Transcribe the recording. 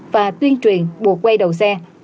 và tuyên truyền buộc quay đầu xe